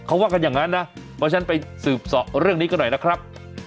เขาว่ากันอย่างนั้นนะเพราะฉะนั้นไปสืบเสาะเรื่องนี้กันหน่อยนะครับ